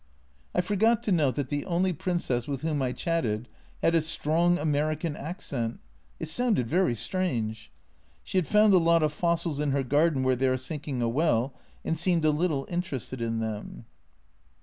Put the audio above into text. I forgot to note that the only Princess with whom I chatted had a strong American accent ; it sounded very strange. She had found a lot of fossils in her garden where they are sinking a well, and seemed a little interested in them.